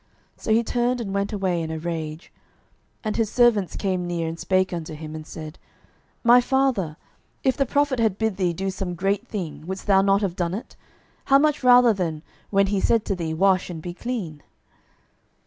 So he turned and went away in a rage. 12:005:013 And his servants came near, and spake unto him, and said, My father, if the prophet had bid thee do some great thing, wouldest thou not have done it? how much rather then, when he saith to thee, Wash, and be clean?